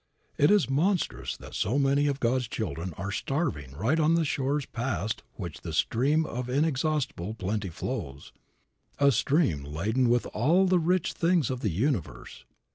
It is monstrous that so many of God's children are starving right on the shores past which the stream of inexhaustible plenty flows, a stream laden with all the rich things of the universe.